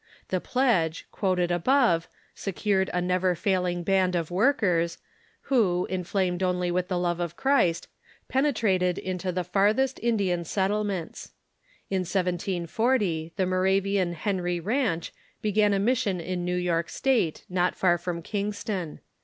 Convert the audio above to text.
1 he pledge, quoted above, secured a never failing band of workers, who, inflamed only with the love of Christ, penetrated into the farthest Ind ian settlements. In 1740 the Moravian Henry Ranch began a mission in New York State, not far from Kingston.